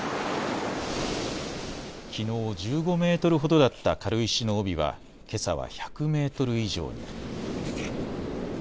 きのう１５メートルほどだった軽石の帯はけさは１００メートル以上に。